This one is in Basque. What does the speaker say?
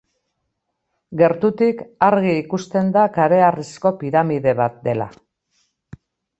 Gertutik, argi ikusten da kareharrizko piramide bat dela.